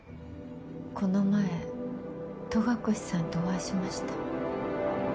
この前戸隠さんとお会いしました。